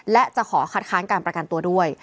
และจะขอคัดค้านการประกันตัวด้วย